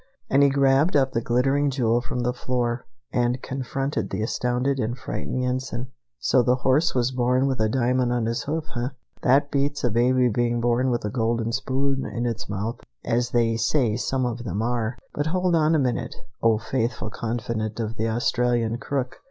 And he grabbed up the glittering jewel from the floor, and confronted the astounded and frightened Yensen. "So the horse was born with a diamond on his hoof, eh? That beats a baby's being born with a golden spoon in its mouth, as they say some of them are. But hold on a minute, O faithful confidant of the Australian crook.